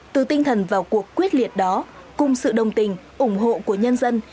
từ tinh thần vào cuộc quyết liệt đó cùng sự đồng tình ủng hộ của nhân dân